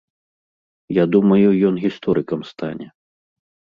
Я думаю, ён гісторыкам стане.